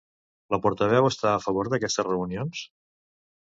La portaveu està a favor d'aquestes reunions?